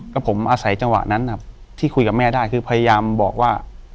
ก็ผมอาศัยจังหวะนั้นครับที่คุยกับแม่ได้คือพยายามบอกว่า